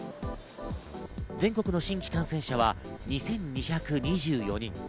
全国の新規感染者は２２２４人。